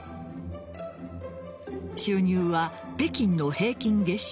収入は北京の平均月収